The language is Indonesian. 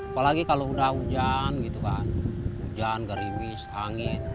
apalagi kalau sudah hujan gitu kan hujan garibis angin